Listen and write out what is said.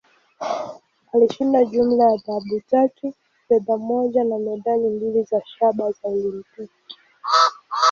Alishinda jumla ya dhahabu tatu, fedha moja, na medali mbili za shaba za Olimpiki.